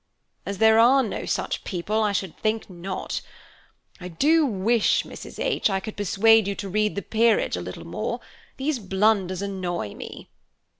"As there are no such people I should think not. I do wish, Mrs. H., I could persuade you to read the 'Peerage' a little more, these blunders annoy me."